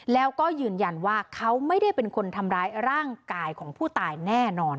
แล้วก็ยืนยันว่าเขาไม่ได้เป็นคนทำร้ายร่างกายของผู้ตายแน่นอน